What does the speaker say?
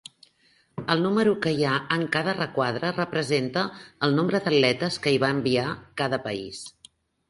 El número que hi ha en cada requadre representa el nombre d'atletes que hi va enviar cada país.